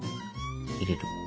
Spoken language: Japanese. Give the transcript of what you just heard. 入れる。